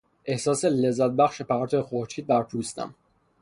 احساس لذتبخش پرتو خورشید بر پوستم